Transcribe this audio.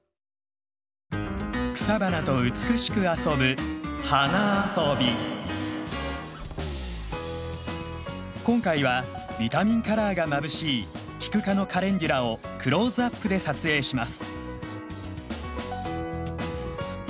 草花と美しく遊ぶ今回はビタミンカラーがまぶしいキク科のカレンデュラをクローズアップで撮影します。